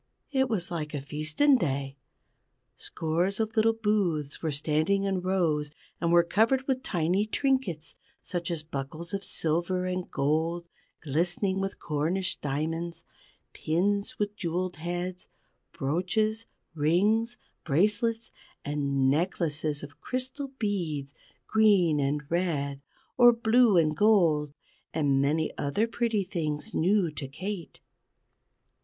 It was like a feasten day. Scores of little booths were standing in rows, and were covered with tiny trinkets such as buckles of silver and gold glistening with Cornish diamonds, pins with jewelled heads, brooches, rings, bracelets, and necklaces of crystal beads, green and red or blue and gold; and many other pretty things new to Kate.